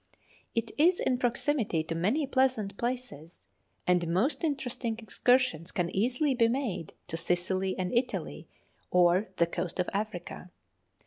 It is in proximity to many pleasant places, and most interesting excursions can easily be made to Sicily and Italy, or the coast of Africa.